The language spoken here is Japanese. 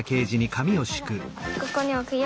ここにおくよ？